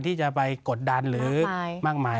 ที่จะไปกดดันหรือมากมาย